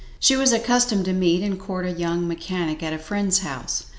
She was accustomed to meet and court a young mechanic at a friend's house.